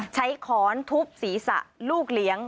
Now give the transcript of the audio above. ขอนทุบศีรษะลูกเลี้ยง